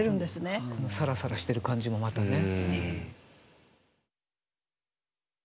このさらさらしてる感じもまたね。